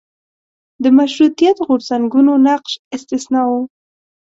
د مشروطیت غورځنګونو نقش استثنا و.